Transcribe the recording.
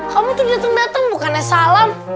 kamu itu datang datang bukannya salam